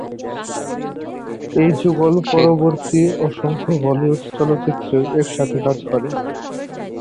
এই যুগল পরবর্তী অসংখ্য বলিউড চলচ্চিত্রে একসাথে কাজ করে।